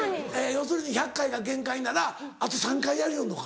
要するに１００回が限界ならあと３回やりよるのか。